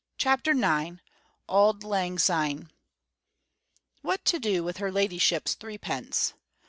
CHAPTER IX AULD LANG SYNE What to do with her ladyship's threepence?